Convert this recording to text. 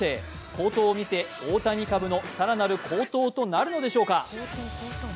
好投を見せ、大谷株の更なる高騰となるのでしょうか。